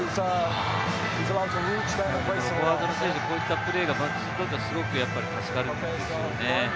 フォワードの選手、こういったプレーが、バックスはすごく助かるんですよね。